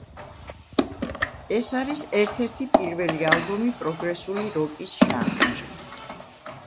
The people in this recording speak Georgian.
ეს არის ერთ-ერთი პირველი ალბომი პროგრესული როკის ჟანრში.